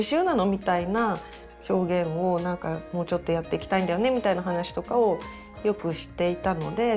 みたいな表現をもうちょっとやっていきたいんだよねみたいな話とかをよくしていたので見つけたっていうか。